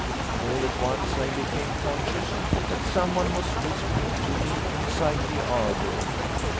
All at once I became conscious that someone was whispering to me inside the arbour.